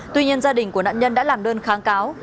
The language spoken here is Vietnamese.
tuy nhiên gia đình của nạn nhân đã làm đơn kháng cáo